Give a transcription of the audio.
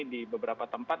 di beberapa tempat